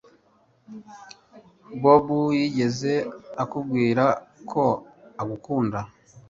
Bobo yigeze akubwira ko agukunda